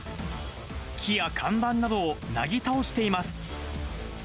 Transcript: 木や看板などをなぎ倒しています。